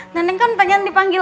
neneng kan pengen dipanggil